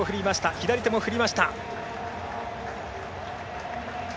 左手も振りました。